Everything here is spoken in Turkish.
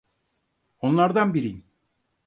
Onlardan biriyim.